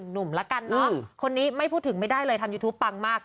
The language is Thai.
หนุ่มละกันเนอะคนนี้ไม่พูดถึงไม่ได้เลยทำยูทูปปังมาก